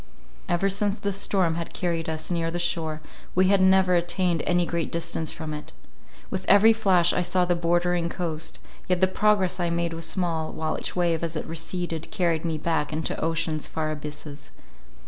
Ever since the storm had carried us near the shore, we had never attained any great distance from it. With every flash I saw the bordering coast; yet the progress I made was small, while each wave, as it receded, carried me back into ocean's far abysses.